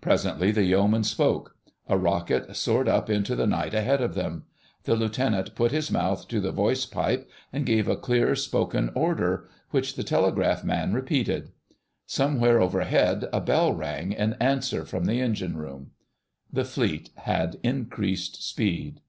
Presently the Yeoman spoke: a rocket soared up into the night ahead of them. The Lieutenant put his mouth to the voice pipe and gave a clear spoken order, which the telegraph man repeated: somewhere overhead a bell rang in answer from the engine room. The Fleet had increased speed.